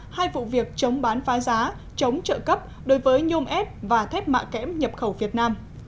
hai vụ việc chống bán phá giá chống trợ cấp đối với nhôm ép và thép mạ kém nhập khẩu việt nam